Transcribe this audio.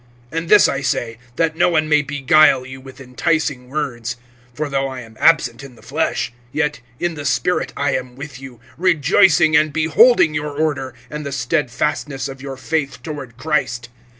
(4)And this I say, that no one may beguile you with enticing words. (5)For though I am absent in the flesh, yet in the spirit I am with you, rejoicing and beholding your order, and the steadfastness of your faith toward Christ.